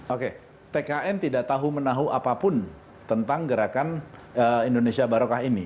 oke tkn tidak tahu menahu apapun tentang gerakan indonesia barokah ini